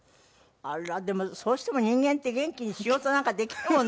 あらでもそれにしても人間って元気に仕事なんかできるもんなんですね。